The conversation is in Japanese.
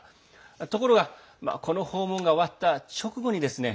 ところが、この訪問が終わった直後にですね